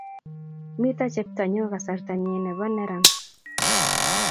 Mito cheptonyu kasarta nyi nebo neran